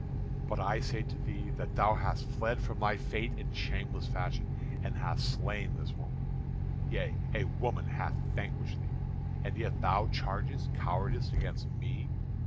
But I say to thee that thou hast fled from thy fate in shameless fashion, and hast slain this woman. Yea, a woman hath vanquished thee, and yet thou chargest cowardice against me.